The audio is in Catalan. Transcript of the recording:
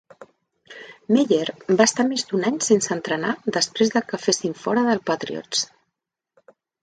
Meyer va estar més d'un any sense entrenar després que el fessin fora del Patriots.